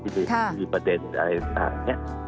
ที่มีประเด็นอะไรต่างอย่างนี้